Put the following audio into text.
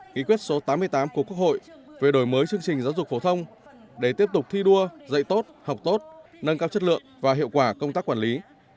nghị quyết số tám mươi tám của quốc hội về đổi mới chương trình giáo dục phổ thông để tiếp tục thi đua dạy tốt học tốt nâng cao chất lượng và hiệu quả công tác quản lý